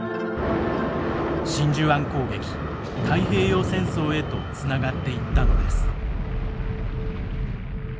真珠湾攻撃太平洋戦争へとつながっていったのです。